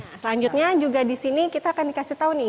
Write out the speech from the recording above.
nah selanjutnya juga di sini kita akan dikasih tahu nih